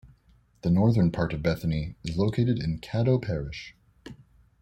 The northern part of Bethany is located in Caddo Parish.